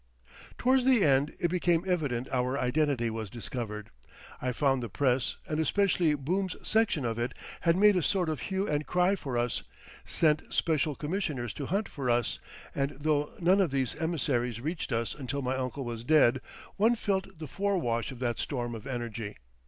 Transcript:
Towards the end it became evident our identity was discovered. I found the press, and especially Boom's section of it, had made a sort of hue and cry for us, sent special commissioners to hunt for us, and though none of these emissaries reached us until my uncle was dead, one felt the forewash of that storm of energy.